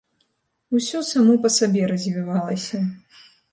Усё само па сабе развівалася.